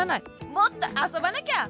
もっとあそばなきゃ！